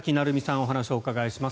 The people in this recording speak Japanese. お話をお伺いします。